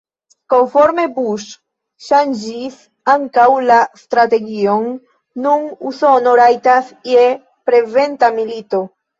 Konforme Bush ŝanĝis ankaŭ la strategion: nun Usono rajtas je preventa milito.